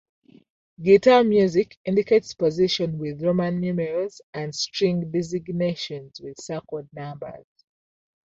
Guitar music indicates position with Roman numerals and string designations with circled numbers.